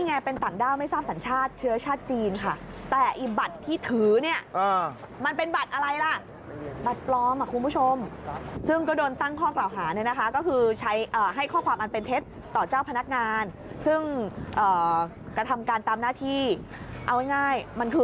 ยื่นบัตรประชาชนให้ดูอ่ะบัตรประชาชนคนไทย